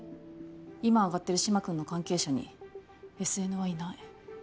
今挙がってる嶋君の関係者にＳＮはいない。